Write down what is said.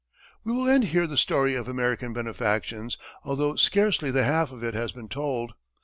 We will end here the story of American benefactions, although scarcely the half of it has been told.